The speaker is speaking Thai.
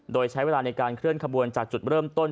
โดยใช้เวลาในการเคลื่อนขบวนจากจุดเริ่มต้น